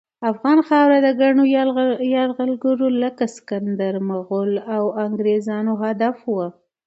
افغان خاوره د ګڼو یرغلګرو لکه سکندر، مغل، او انګریزانو هدف وه.